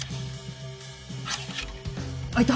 開いた！